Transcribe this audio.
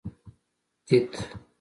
تت